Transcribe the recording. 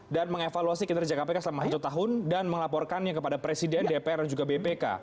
dan mengevaluasi kinerja kpk selama satu tahun dan mengelaporkannya kepada presiden dpr dan juga bpk